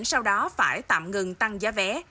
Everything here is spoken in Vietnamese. sau đó phải tạm ngừng tăng giá vé